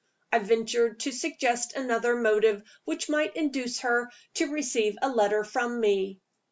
I ventured to suggest another motive which might induce her to receive a letter from me.